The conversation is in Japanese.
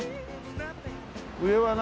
上は何？